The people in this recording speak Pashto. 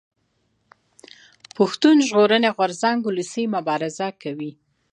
پښتون ژغورني غورځنګ اولسي مبارزه کوي